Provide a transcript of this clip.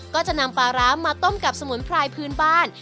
ก็จะนำปลาร้ามาต้มกับสมุนไพรพื้นบ้าน